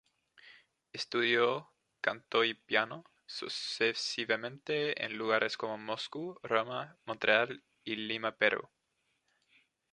Estudió canto y piano sucesivamente en lugares como Moscú, Roma, Montreal y Lima, Perú.